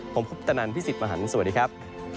ผมคุปตนันพี่สิทธิ์มหันฯสวัสดีครับ